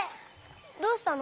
どうしたの？